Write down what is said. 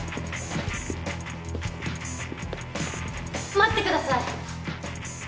待ってください。